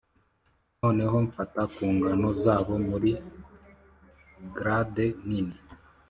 noneho mfata ku ngano zabo muri glade nini,